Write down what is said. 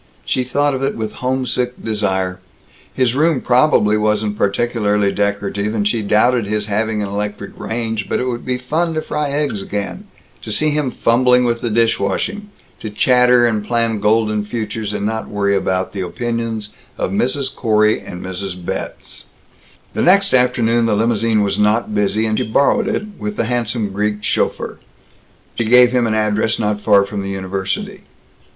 She thought of it with homesick desire. His room probably wasn't particularly decorative, and she doubted his having an electric range, but it would be fun to fry eggs again, to see him fumbling with the dish washing, to chatter and plan golden futures, and not worry about the opinions of Mrs. Corey and Mrs. Betz. The next afternoon the limousine was not busy and she borrowed it, with the handsome Greek chauffeur. She gave him an address not far from the university.